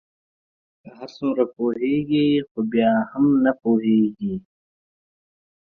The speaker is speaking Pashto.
که هر څومره پوهیږی خو بیا هم نه پوهیږې